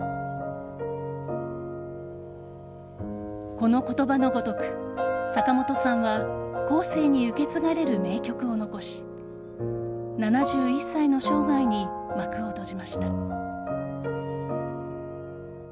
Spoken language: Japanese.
この言葉のごとく、坂本さんは後世に受け継がれる名曲を残し７１歳の生涯に幕を閉じました。